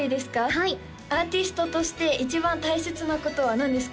はいアーティストとして一番大切なことは何ですか？